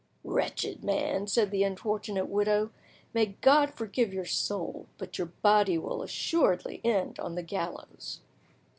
"Wretched man," said the unfortunate widow, "may God forgive your soul; but your body will assuredly end on the gallows!"